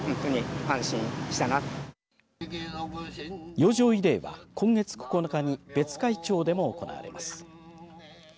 洋上慰霊は、今月９日に別海町でも行われます。